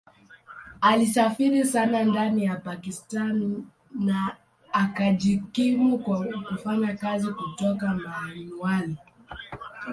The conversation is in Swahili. Alisafiri sana ndani ya Pakistan na akajikimu kwa kufanya kazi kutoka Mianwali.